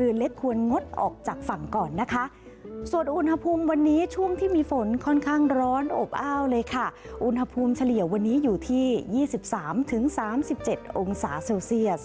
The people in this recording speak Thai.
อุณหภูมิเฉลี่ยวันนี้อยู่ที่๒๓๓๗องศาเซลเซียส